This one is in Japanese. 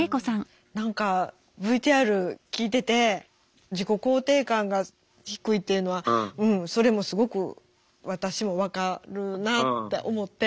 何かＶＴＲ聞いてて自己肯定感が低いっていうのはうんそれもすごく私も分かるなって思って。